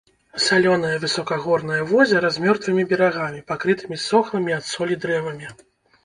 Салёнае высакагорнае возера з мёртвымі берагамі, пакрытымі ссохлымі ад солі дрэвамі.